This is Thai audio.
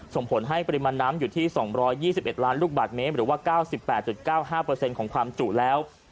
ส่งผลให้ปริมาณน้ำอยู่ที่๒๒๑ล้านลูกบาทเมตรหรือว่า๙๘๙๕ของความจุแล้ว